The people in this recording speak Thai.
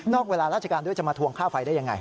เวลาราชการด้วยจะมาทวงค่าไฟได้ยังไง